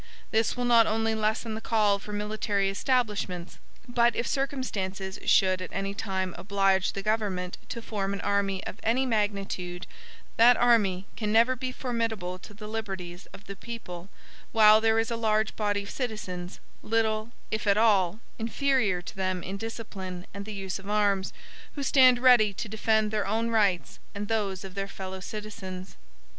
This will not only lessen the call for military establishments, but if circumstances should at any time oblige the government to form an army of any magnitude that army can never be formidable to the liberties of the people while there is a large body of citizens, little, if at all, inferior to them in discipline and the use of arms, who stand ready to defend their own rights and those of their fellow citizens.